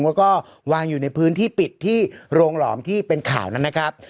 แล้วก็วางอยู่ในพื้นที่ปิดที่โรงหลอมที่เป็นข่าวนั้นนะครับ